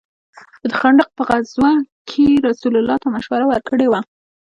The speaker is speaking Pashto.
چې د خندق په غزوه كښې يې رسول الله ته مشوره وركړې وه.